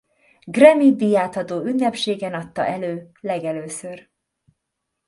Grammy Díjátadó ünnepségen adta elő legelőször.